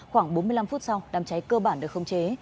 khoảng bốn mươi năm phút sau đám cháy cơ bản được không chế